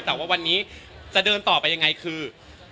แต่ว่าวันนี้จะเดินต่อไปยังไงคือ